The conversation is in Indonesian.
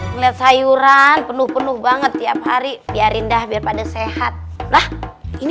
melihat sayuran penuh penuh banget tiap hari biarin dah biar pada sehat nah ini